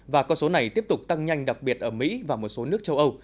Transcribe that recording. và con số này tiếp tục tăng nhanh đặc biệt ở mỹ và một số nước châu âu